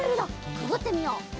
くぐってみよう。